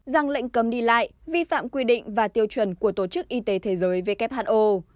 rằng lệnh cấm đi lại vi phạm quy định và tiêu chuẩn của tổ chức y tế thế giới who